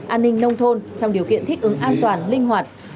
an ninh nông thôn trong điều kiện thích ứng an toàn linh hoạt